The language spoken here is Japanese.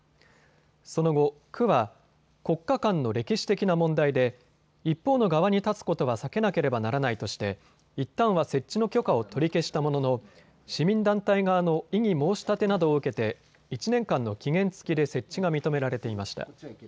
その後、区は国家間の歴史的な問題で一方の側に立つことは避けなければならないとしていったんは設置の許可を取り消したものの市民団体側の異議申し立てなどを受けて１年間の期限付きで設置が認められていました。